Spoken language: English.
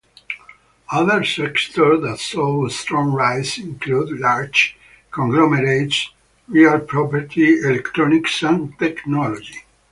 Other sectors that saw strong rises include large conglomerates, real property, electronics and technology.